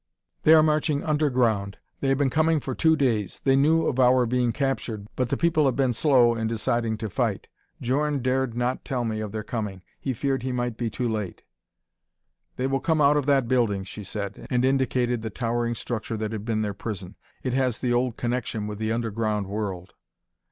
"They are marching underground; they have been coming for two days. They knew of our being captured, but the people have been slow in deciding to fight. Djorn dared not tell me of their coming; he feared he might be too late. "They will come out of that building," she said, and indicated the towering structure that had been their prison. "It has the old connection with the underground world."